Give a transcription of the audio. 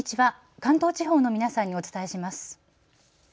関東地方の皆さんにお伝えします。